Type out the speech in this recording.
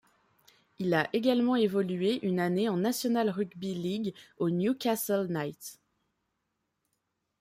Il a également évolué une année en National Rugby League aux Newcastle Knights.